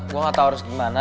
gue gak tau harus gimana